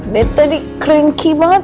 bateri cranky banget